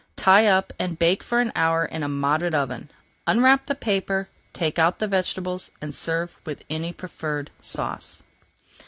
Tie up and bake for an hour in a moderate oven. Unwrap the paper, take out the vegetables, and serve with any preferred sauce.